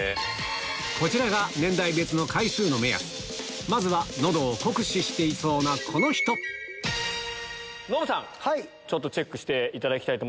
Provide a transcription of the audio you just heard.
こちらが年代別の回数の目安まずは喉を酷使していそうなこの人ノブさんチェックしていただきます。